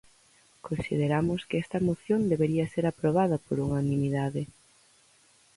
Consideramos que esta moción debería ser aprobada por unanimidade.